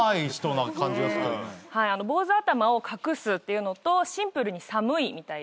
坊主頭を隠すっていうのとシンプルに寒いみたいで。